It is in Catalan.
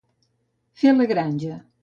Fer la granja.